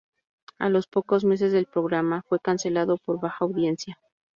A los pocos meses el programa fue cancelado por baja audiencia.